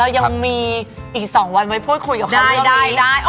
เรายังมีอีก๒วันไว้พูดคุยกับคุณเรื่องนี้